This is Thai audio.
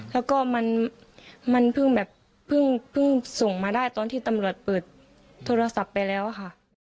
แล้วก็มันเพิ่งแบบเพิ่งส่งมาได้ตอนที่ตำรวจเปิดโทรศัพท์ไปแล้วค่ะ